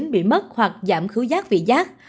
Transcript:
bị mất hoặc giảm khứu giác vị giác